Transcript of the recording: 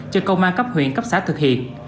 cho công an cấp huyện cấp xã thực hiện